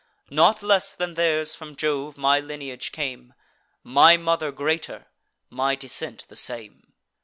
Not less than theirs from Jove my lineage came; My mother greater, my descent the same."